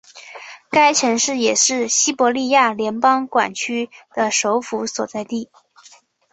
该城市也是西伯利亚联邦管区的首府所在地。